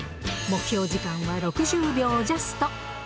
目標時間は６０秒ジャスト。